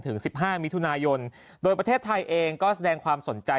ถึง๑๕มิถุนายนโดยประเทศไทยเองก็แสดงความสนใจ